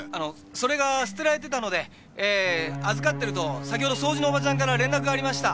それが捨てられてたので預かってると先ほど掃除のおばちゃんから連絡がありました。